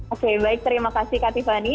oke baik terima kasih kak tiffany